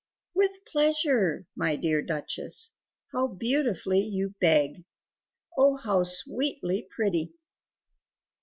"With pleasure, my dear Duchess; how beautifully you beg! Oh, how sweetly pretty!"